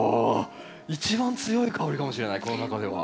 一番強い香りかもしれないこの中では。